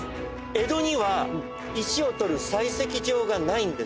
江戸には石をとる採石場がないんです。